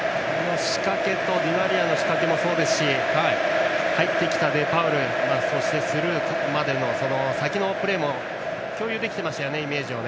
ディマリアの仕掛けもそうですし入ってきたデパウルそしてスルーまでの先のプレーも共有できてましたねイメージを。